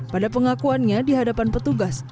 pada pengakuannya di hadapan petugas